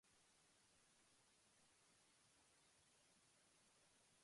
Impacto cultural de las tradiciones rusas en la sociedad